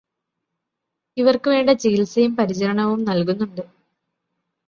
ഇവര്ക്ക് വേണ്ട ചികിത്സയും പരിചരണവും നല്കുന്നുണ്ട്.